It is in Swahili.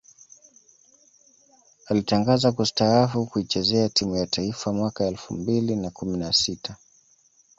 Alitangaza kustaafu kuichezea timu ya taifa mwaka elfu mbili na kumi na sita